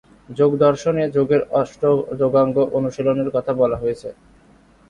যোগদর্শনে যোগের অষ্ট যোগাঙ্গ অনুশীলনের কথা বলা হয়েছে।